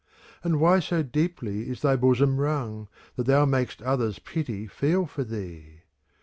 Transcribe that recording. And why so deeply is thy bosom wrung, ® That thou mak'st others pity feel for thee